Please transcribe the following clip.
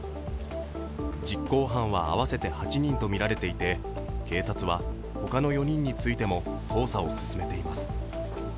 実行犯は合わせて８人とみられていて警察はほかの４人についても捜査を進めています。